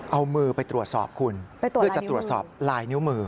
เอามือไปตรวจสอบคุณเพื่อจะตรวจสอบลายนิ้วมือ